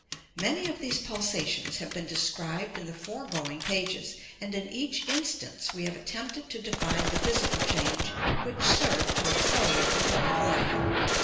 Many of these pulsations have been described in the foregoing pages, and in each instance we have attempted to define the physical change which served to accelerate the flow of life.